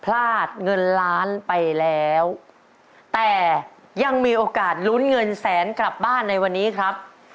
พลาดเงินล้านไปแล้วแต่ยังมีโอกาสลุ้นเงินแสนกลับบ้านในวันนี้ครับ